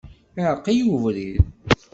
Iεreq-iyi ubrid.